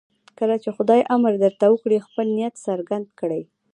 کله چې خدای امر درته وکړي خپل نیت څرګند کړئ.